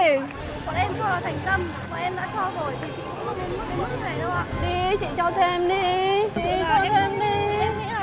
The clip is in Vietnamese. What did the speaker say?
mà em đã cho rồi thì chị cũng không đến mức này đâu ạ